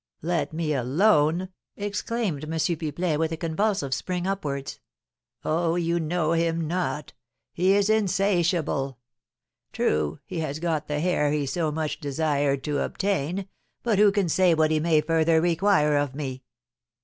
"Let me alone?" exclaimed M. Pipelet, with a convulsive spring upwards. "Oh, you know him not; he is insatiable. True, he has got the hair he so much desired to obtain; but who can say what he may further require of me?"